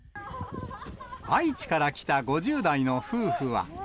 愛知から来た５０代の夫婦は。